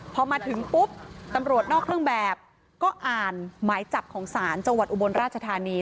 พอมาถึงปุ๊บตำรวจนอกเครื่องแบบก็อ่านหมายจับของศาลจังหวัดอุบลราชธานี